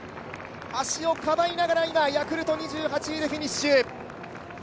足をかばいながらヤクルト、２８位でフィニッシュ。